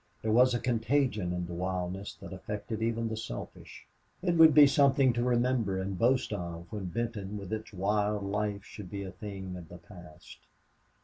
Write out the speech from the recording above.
There was a contagion in the wildness that affected even the selfish. It would be something to remember and boast of when Benton with its wild life should be a thing of the past.